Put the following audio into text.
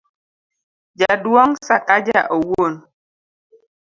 jaduong' Sakaja owuon